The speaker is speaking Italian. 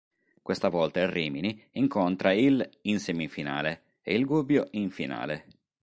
Questa volta il Rimini incontra il in semifinale e il Gubbio in finale.